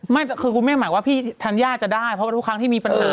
ไม่คือกูไม่หมายว่าพี่ทัณยาจะได้เพราะทุกครั้งที่มีปัญหานี้